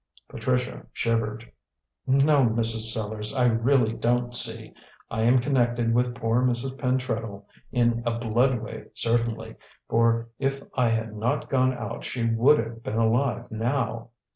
Patricia shivered. "No, Mrs. Sellars, I really don't see. I am connected with poor Mrs. Pentreddle in a blood way certainly, for if I had not gone out she would have been alive now."